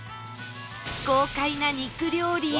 豪快な肉料理や